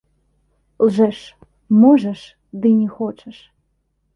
Лжэш, можаш, ды не хочаш.